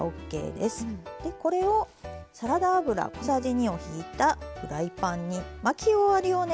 でこれをサラダ油小さじ２をひいたフライパンに巻き終わりをね